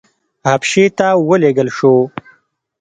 حبشې ته ولېږل شو.